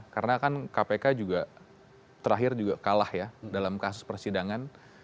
karena kan kpk juga terakhir juga kalah ya dalam kasus persidangan